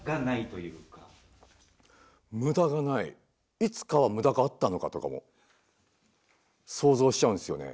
むだがないいつかはむだがあったのかとかも想像しちゃうんですよね。